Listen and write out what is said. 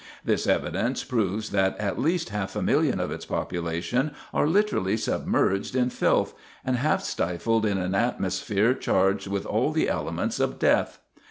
This evidence proves that at least half a million of its population are literally submerged in filth, and half stifled in an atmosphere charged with all the elements of death.